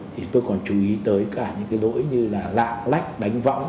thì tôi còn chú ý tới cả những cái lỗi như là lạng lách đánh võng